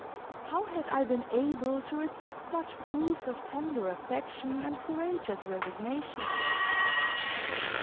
How had I been able to resist such proofs of tender affection and courageous resignation?